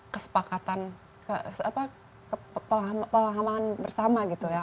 kesepakatan pemahaman bersama gitu ya